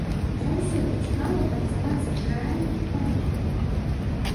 Заўсёды цікава працаваць з рэальнымі палітыкамі.